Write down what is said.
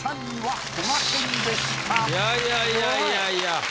いやいやいやいや。